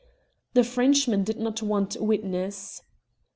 The Frenchman did not want witnesses.